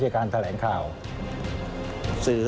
ส่วนต่างกระโบนการ